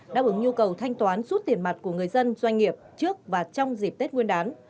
đáp ứng nhu cầu thanh toán rút tiền mặt của người dân doanh nghiệp trước và trong dịp tết nguyên đán